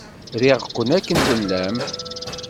Riɣ-ken akken tellam.